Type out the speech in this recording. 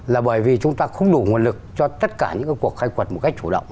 là bởi vì chúng ta không đủ nguồn lực cho tất cả những cuộc khai quật một cách chủ động